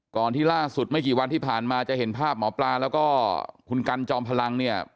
ที่ล่าสุดไม่กี่วันที่ผ่านมาจะเห็นภาพหมอปลาแล้วก็คุณกันจอมพลังเนี่ย